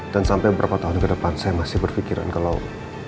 sampai beberapa tahun ke depan saya masih berpikiran kalau